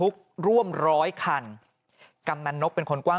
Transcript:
ปี๖๕วันเกิดปี๖๔ไปร่วมงานเช่นเดียวกัน